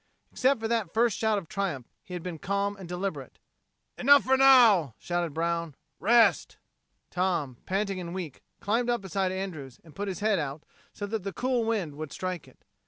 Except for that first shout of triumph, he had been calm and deliberate. "Enough for now," shouted Brown. "Rest!" Tom, panting and weak, climbed up beside Andrews and put his head out so that the cool wind would strike it.